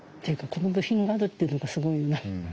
この部品があるっていうのがすごいよな。